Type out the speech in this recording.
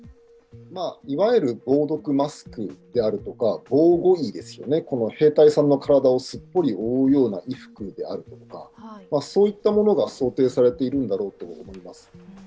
いわゆる防毒マスクであるとか防護衣ですよね、兵隊さんの体をすっぽり覆うような衣服であるとかそういったものが想定されているんだろうと思います。